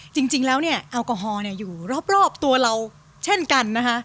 จริงแล้วเนี่ยแอลกอฮอล์อยู่รอบตัวเราเช่นกันนะคะ